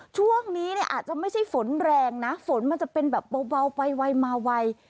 ช่วงนี้เนี่ยอาจจะไม่ใช่ฝนแรงนะฝนมันจะเป็นแบบเบาไปไวมาไว